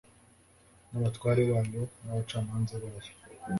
n'abatware bayo, n'abacamanza bayo